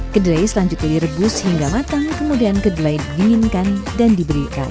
kedelai selanjutnya direbus hingga matang kemudian kedelai dinginkan dan diberikan